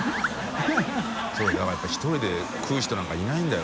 修だからやっぱり１人で食う人なんかいないんだよ